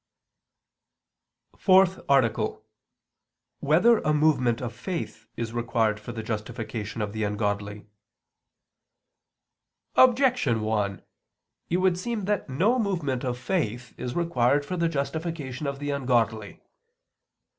________________________ FOURTH ARTICLE [I II, Q. 113, Art. 4] Whether a Movement of Faith Is Required for the Justification of the Ungodly? Objection 1: It would seem that no movement of faith is required for the justification of the ungodly.